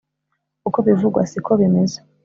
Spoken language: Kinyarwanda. uko bivugwa siko bimeze